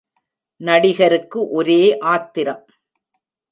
நடிகருக்கு ஒரே ஆத்திரம்.